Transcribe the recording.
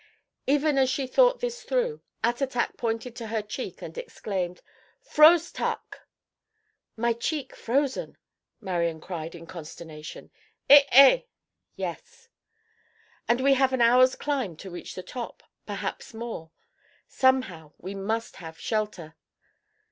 Even as she thought this through, Attatak pointed to her cheek and exclaimed: "Froze tuck." "My cheek frozen!" Marian cried in consternation. "Eh eh" (yes.) "And we have an hour's climb to reach the top. Perhaps more. Somehow we must have shelter.